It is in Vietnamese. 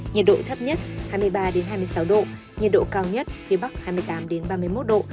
nhiệt độ thấp nhất hai mươi ba hai mươi sáu độ nhiệt độ cao nhất phía bắc hai mươi tám ba mươi một độ